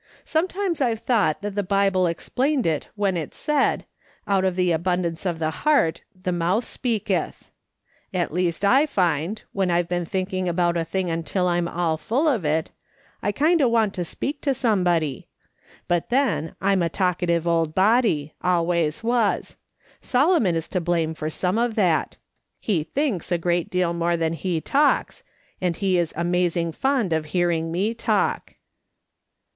Sometimes I've thought that the Bible ex plained it when it said, ' Out of the abundance of the heart the mouth speaketh.' At least I find, when I've been thinking about a thing until I'm all *4 196 MRS. SOLOMON SMITH LOOKING ON. full of it, I kiud o' want to speak to somebody. But then I'm a talkative old body, always was; Solomon is to blame for some of that : he thinks a good deal more than he talks, and he is amazing fond of hearing me talk."